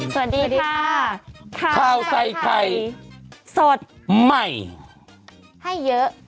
สวัสดีค่ะข้าวใส่ไข่สดใหม่ให้เยอะ